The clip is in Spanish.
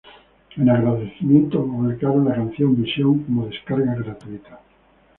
En agradecimiento, publicaron la canción Vision como descarga gratuita.